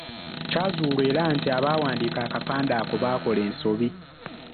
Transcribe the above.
Kyazuulwa era nti abaawandiika akapande ako baakola ensobi.